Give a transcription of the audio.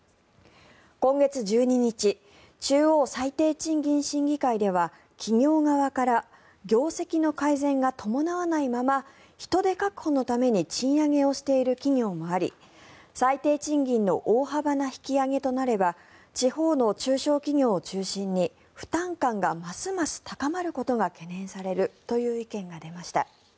今月１２日中央最低賃金審議会では企業側から業績の改善が伴わないまま人手確保のために賃上げをしている企業もあり最低賃金の大幅な引き上げとなれば地方の中小企業を中心に負担感がますます高まることが懸念されるという意見が出ました。